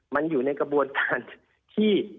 มันอยู่ในกระบวนการที่